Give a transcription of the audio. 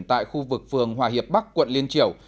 tại khu vực phường hòa hiệp bắc quận liên triều